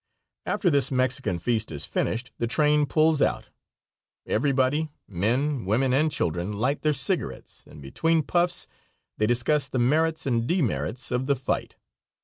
After this Mexican feast is finished the train pulls out, everybody, men, women, and children, light their cigarettes, and between puffs they discuss the merits and demerits of the fight.